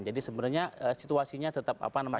jadi sebenarnya situasinya tetap apa namanya